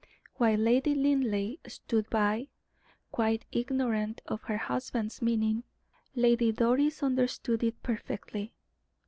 While Lady Linleigh stood by, quite ignorant of her husband's meaning, Lady Doris understood it perfectly.